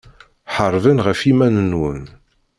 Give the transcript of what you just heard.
Ḥarbem ɣef yiman-nwen.